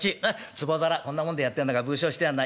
つぼ皿こんなもんでやってんのか不精してやんな。